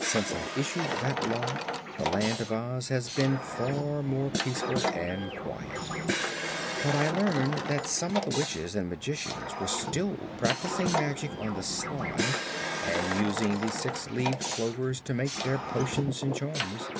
Since I issued that Law the Land of Oz has been far more peaceful and quiet; but I learned that some of the Witches and Magicians were still practicing magic on the sly and using the six leaved clovers to make their potions and charms.